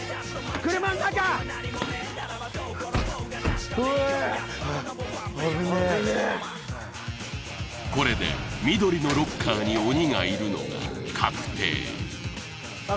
車の中うわ危ねえ危ねえこれで緑のロッカーに鬼がいるのが確定